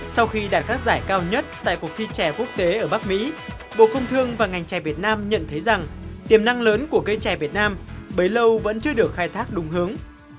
sau khi đạt các giải cao nhất tại cuộc thi trẻ quốc tế ở bắc mỹ bộ công thương và ngành chè việt nam nhận thấy rằng tiềm năng lớn của cây trẻ việt nam bấy lâu vẫn chưa được khai thác đúng hướng